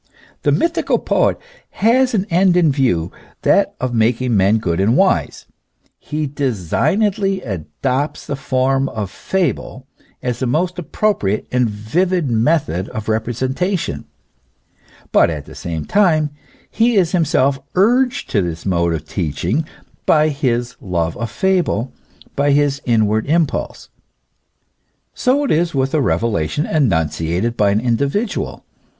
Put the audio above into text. The mythical poet has an end in view that of making men good and wise ; he designedly adopts the form of fable as the most appropriate and vivid method of representation ; but at the same time, he is himself urged to this mode of teaching by his love of fable, by his in ward impulse. So it is with a revelation enunciated by an in dividual.